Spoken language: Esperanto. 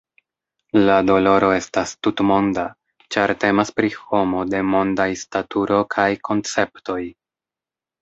La doloro estas tutmonda, ĉar temas pri homo de mondaj staturo kaj konceptoj.